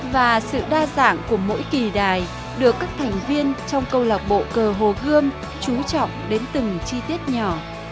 và sự đa dạng của mỗi kỳ đài được các thành viên trong câu lạc bộ cờ hồ gươm trú trọng đến từng chi tiết nhỏ